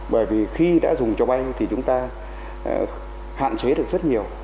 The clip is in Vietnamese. bởi vì khi đã dùng cho bay thì chúng ta hạn chế được rất nhiều